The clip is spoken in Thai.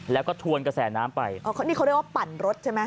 แล้วก็ทวนกระแสน้ำไปอ๋อเขานี่เขาเรียกว่าปั่นรถใช่ไหม